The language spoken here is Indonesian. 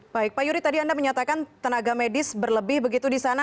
baik pak yuri tadi anda menyatakan tenaga medis berlebih begitu di sana